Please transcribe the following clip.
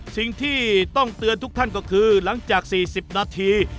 สิ่งที่ต้องเตือนทุกท่านก็คือหลังจาก๔๐นาที